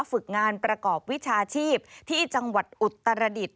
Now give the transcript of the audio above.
ฝึกงานประกอบวิชาชีพที่จังหวัดอุตรดิษฐ